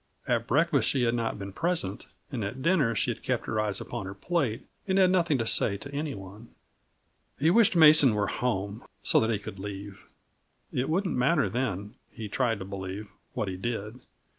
At breakfast she had not been present, and at dinner she had kept her eyes upon her plate and had nothing to say to any one. He wished Mason was home, so that he could leave. It wouldn't matter then, he tried to believe, what he did.